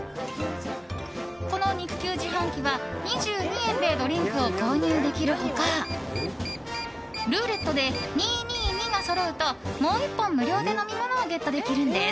この肉球自販機は２２円でドリンクを購入できる他ルーレットで２２２がそろうともう１本、無料で飲み物をゲットできるんです。